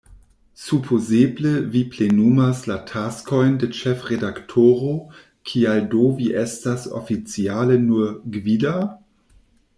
Supozeble vi plenumas la taskojn de ĉefredaktoro, kial do vi estas oficiale nur "gvida"?